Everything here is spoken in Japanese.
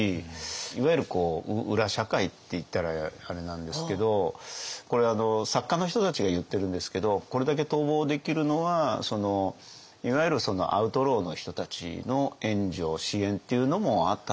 いわゆる裏社会っていったらあれなんですけどこれ作家の人たちが言ってるんですけどこれだけ逃亡できるのはいわゆるアウトローの人たちの援助支援っていうのもあったんではないか。